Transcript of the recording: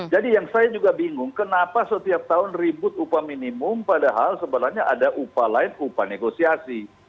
jadi yang saya juga bingung kenapa setiap tahun ribut upah minimum padahal sebenarnya ada upah lain upah negosiasi